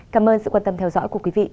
cảm ơn sự quan tâm theo dõi của quý vị